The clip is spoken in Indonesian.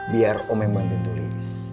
biar om yang bantuin tulis